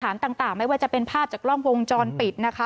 ต่างไม่ว่าจะเป็นภาพจากกล้องวงจรปิดนะคะ